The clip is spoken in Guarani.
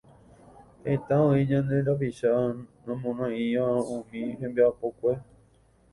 Heta oĩ ñande rapicha nomoneívai umi hembiapokue.